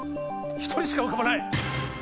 １人しか浮かばない！